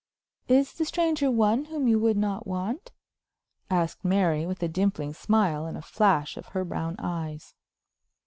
"Is the stranger one whom you would not want?" asked Mary, with a dimpling smile and a flash of her brown eyes.